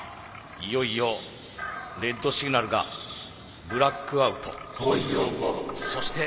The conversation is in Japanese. いよいよレッドシグナルがブラックアウト。